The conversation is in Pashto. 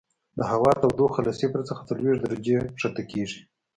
د هوا تودوخه له صفر څخه څلوېښت درجې ښکته کیږي